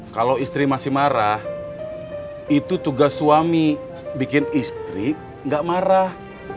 kalau istri masih marah itu tugas suami bikin istri gak marah